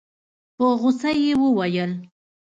په غوسه يې وويل.